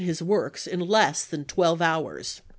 his works in less than twelve hours.